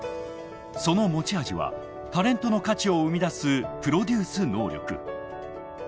その持ち味はタレントの価値を生み出すプロデュース能力。